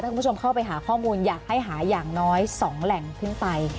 คุณผู้ชมเข้าไปหาข้อมูลอยากให้หาอย่างน้อย๒แหล่งขึ้นไป